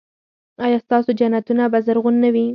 ایا ستاسو جنتونه به زرغون نه وي؟